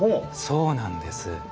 そうなんです。